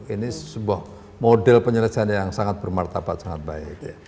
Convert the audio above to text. ini sebuah model penyelesaian yang sangat bermartabat sangat baik